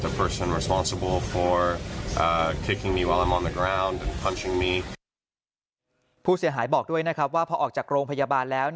ผู้เสียหายบอกด้วยนะครับว่าพอออกจากโรงพยาบาลแล้ว